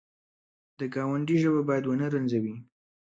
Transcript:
د ګاونډي ژبه باید ونه رنځوي